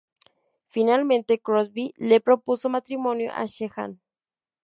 Finalmente, Crosby le propuso matrimonio a Sheehan.